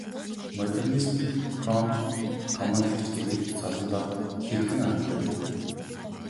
Модернист фронт командлагч гэдэг цолондоо хэрхэн ханддаг вэ?